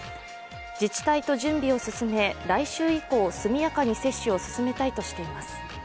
自治体と準備を進め来週以降速やかに接種を進めたいとしています。